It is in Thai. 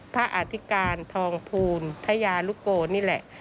พระอาธิกาลทองภูลทายารุโกนี่แหละ